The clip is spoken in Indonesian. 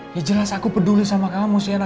ya jelas aku peduli sama kamu shera